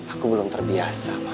aku belum terbiasa ma